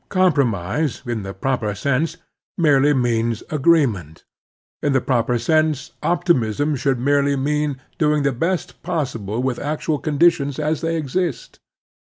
Compromise, in the proper sense, merely means agreement ; in the proper sense opporttmism should merely mean Latitude and Longitude 45 doing the best possible with acttial conditions as they exist.